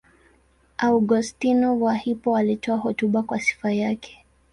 Augustino wa Hippo alitoa hotuba kwa sifa yake.